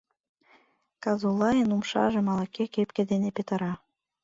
Казулайын умшажым ала-кӧ кепке дене петыра.